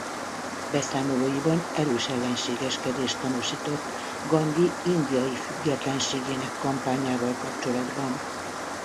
Beszámolóiban erős ellenségeskedést tanúsított Gandhi indiai függetlenségének kampányával kapcsolatban.